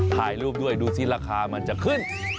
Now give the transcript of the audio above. ถ่ายรูปด้วยดูสิราคามันจะขึ้น